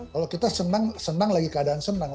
kalau kita senang lagi keadaan senang